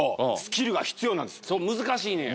難しいねや。